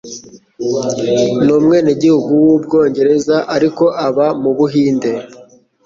Ni umwenegihugu w'Ubwongereza, ariko aba mu Buhinde.